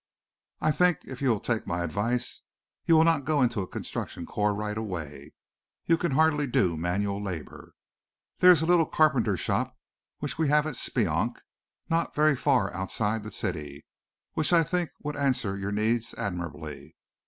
"I think, if you will take my advice, you will not go in a construction corps right away. You can hardly do manual labor. There is a little carpenter shop which we have at Speonk, not very far outside the city, which I should think would answer your needs admirably.